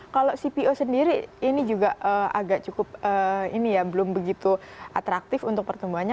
kalau cpo sendiri ini juga agak cukup ini ya belum begitu atraktif untuk pertumbuhannya